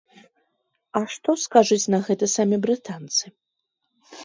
А што скажуць на гэта самі брытанцы?